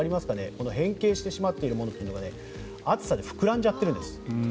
この変形してしまっているものというのが暑さで膨らんじゃっているんです。